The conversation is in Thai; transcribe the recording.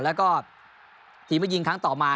แล้วก็ทีมที่ยิงครั้งต่อมา